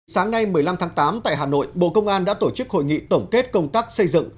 sáng nay một mươi năm tháng tám tại hà nội bộ công an đã tổ chức hội nghị tổng kết công tác xây dựng